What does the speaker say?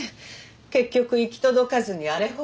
結局行き届かずに荒れ放題。